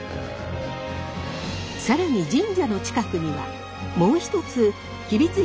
更に神社の近くにはもう一つ吉備津彦